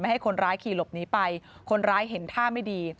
ให้คนร้ายขี่หลบหนีไปคนร้ายเห็นท่าไม่ดี